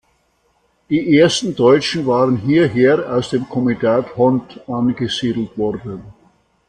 Die ersten Deutschen waren hierher aus dem Komitat Hont angesiedelt worden.